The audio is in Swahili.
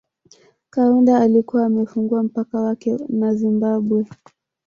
Kaunda alikuwa amefungua mpaka wake na Zimbabwe